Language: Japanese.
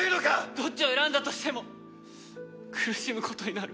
どっちを選んだとしても苦しむことになる。